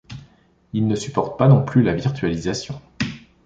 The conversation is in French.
Il ne supporte pas non plus la virtualisation.